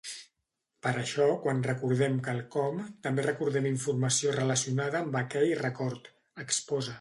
Per això quan recordem quelcom també recordem informació relacionada amb aquell record, exposa.